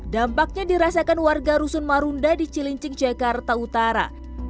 dampaknya dirasakan warga rusun marunda di cilincing jakarta utara